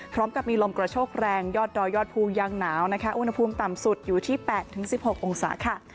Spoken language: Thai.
พร้อมกับมีลมกระโชกแรงยอดดอยยอดภูยังหนาวนะคะอุณหภูมิต่ำสุดอยู่ที่๘๑๖องศาค่ะ